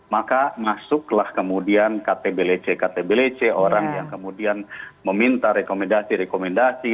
maka masuklah kemudian ktblc ktblc orang yang kemudian meminta rekomendasi rekomendasi